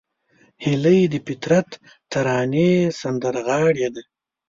هیلۍ د فطرت ترانې سندرغاړې ده